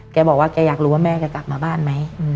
แกบอกว่าแกอยากรู้ว่าแม่จะกลับมาบ้านไหม